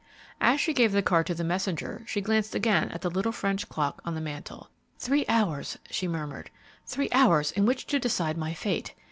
As she gave the card to the messenger, she glanced again at the little French clock on the mantel. "Three hours," she murmured; "three hours in which to decide my fate!